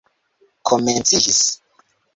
komenciĝis